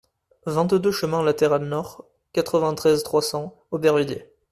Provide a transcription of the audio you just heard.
vingt-deux chemin Latéral Nord, quatre-vingt-treize, trois cents, Aubervilliers